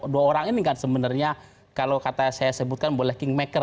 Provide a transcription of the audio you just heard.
dua orang ini kan sebenarnya kalau kata saya sebutkan boleh kingmaker